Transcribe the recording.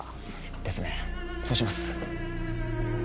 ですねそうします。